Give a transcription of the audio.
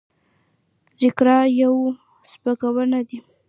ذکریا یو ځمکپوه دی.